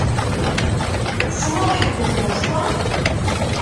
Tessneḍ ḥedd n Boston?